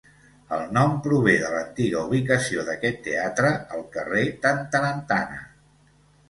El nom prové de l'antiga ubicació d'aquest teatre al carrer Tantarantana.